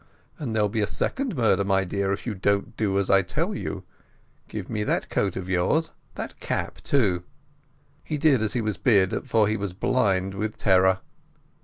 And there'll be a second murder, my dear, if you don't do as I tell you. Give me that coat of yours. That cap, too." He did as he was bid, for he was blind with terror.